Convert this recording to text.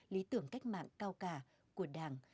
lý tưởng cách mạng cao cả của đảng